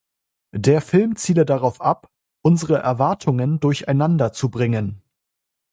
Der Film ziele „darauf ab, unsere Erwartungen durcheinander zu bringen.